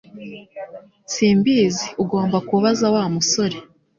Simbizi Ugomba kubaza Wa musore